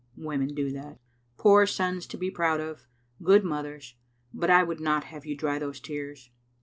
Women do that. Poor sons to be proud of, good mothers, but I would not have you dry those tears.